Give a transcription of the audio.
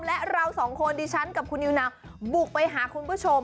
และเราสองคนดิฉันกับคุณนิวนาวบุกไปหาคุณผู้ชม